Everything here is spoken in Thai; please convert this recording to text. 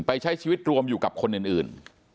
ใช้ชีวิตรวมอยู่กับคนอื่น